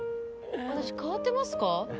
私変わってますか？